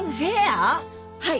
はい。